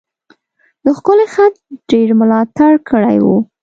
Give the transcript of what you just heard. د ښکلی خط ډیر ملاتړ کړی و.